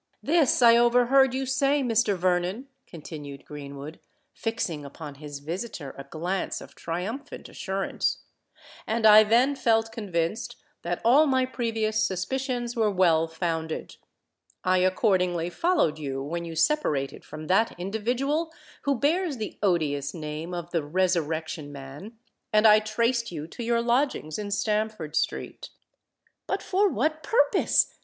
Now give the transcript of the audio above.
This I overheard you say, Mr. Vernon," continued Greenwood, fixing upon his visitor a glance of triumphant assurance; "and I then felt convinced that all my previous suspicions were well founded! I accordingly followed you when you separated from that individual who bears the odious name of the Resurrection Man; and I traced you to your lodgings in Stamford Street." "But for what purpose?